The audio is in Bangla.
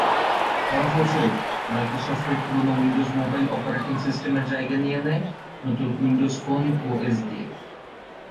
ফলাফলস্বরূপ মাইক্রোসফটের পুরোনো উইন্ডোজ মোবাইল অপারেটিং সিস্টেমের জায়গা নিয়ে নেয় নতুন উইন্ডোজ ফোন ওএস দিয়ে।